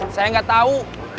saya gak tau